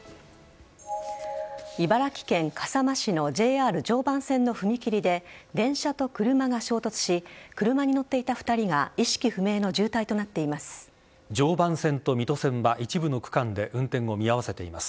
茨城県笠間市のＪＲ常磐線の踏切で電車と車が衝突し車に乗っていた２人が意識不明の重体となっています。